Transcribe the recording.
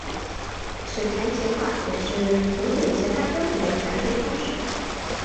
指弹吉他也是古典吉他标准的弹奏方式。